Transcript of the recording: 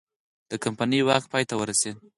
د کمپنۍ واک پای ته ورسید.